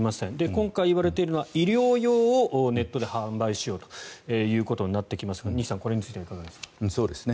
今回いわれているのは医療用をネットで販売しましょうということですが二木さん、これについてはいかがですか。